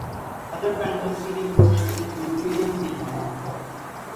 Other kinds of Penning mixture include helium-xenon.